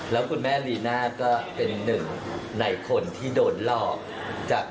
แล้วคุณแม่ลีน่าก็เป็นหนึ่งในคนที่โดนหลอกจาก